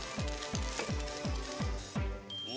お！